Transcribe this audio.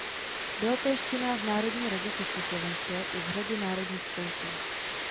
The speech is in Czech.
Byla též činná v Národní radě československé i v řadě národních spolků.